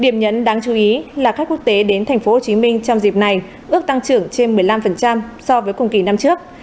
điểm nhấn đáng chú ý là khách quốc tế đến tp hcm trong dịp này ước tăng trưởng trên một mươi năm so với cùng kỳ năm trước